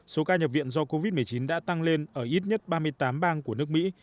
số ca nhập viện do covid một mươi chín đã tăng lên ở ít nhất ba mươi tám bang của nước mỹ